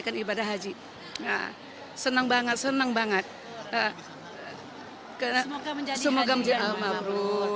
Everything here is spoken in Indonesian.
alhamdulillah kita bisa mengerjakan yang sunnah yang wajib yang mudah yang diberi kemudahan oleh allah